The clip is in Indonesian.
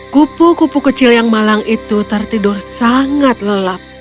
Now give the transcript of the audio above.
kupu kupu kecil yang malang itu tertidur sangat lelap